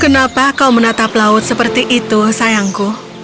kenapa kau menatap laut seperti itu sayangku